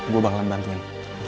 gue bakalan bantuin